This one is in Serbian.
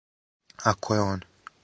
Ако је он.